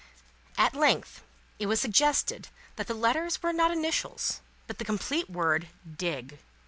At length, it was suggested that the letters were not initials, but the complete word, DIG.